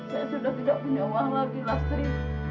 saya sudah tidak punya uang lagi lastri